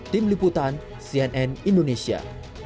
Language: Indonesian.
tim liputan cnn indonesia